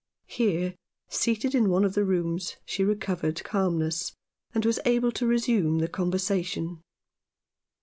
Here, seated in one of the rooms, she recovered calmness, and was able to resume the conver sation.